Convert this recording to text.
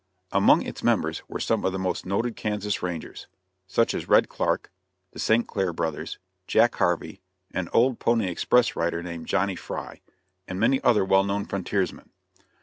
Among its members were some of the most noted Kansas Rangers, such as Red Clark, the St. Clair brothers, Jack Harvey, an old pony express rider named Johnny Fry, and many other well known frontiersmen.